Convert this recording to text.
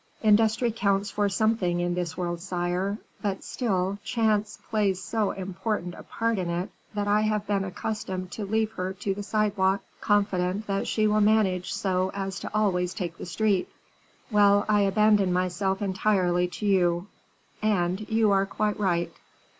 Industry counts for something in this world, sire; but still, chance plays so important a part in it that I have been accustomed to leave her the sidewalk, confident that she will manage so as to always take the street." "Well, I abandon myself entirely to you." "And you are quite right."